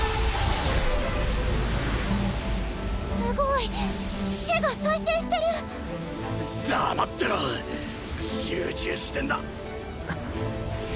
すごい手が再生してる黙ってろ集中してんだ